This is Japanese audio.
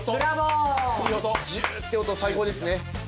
ジューっていう音最高ですね。